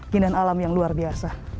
keindahan alam yang luar biasa